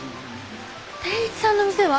定一さんの店は？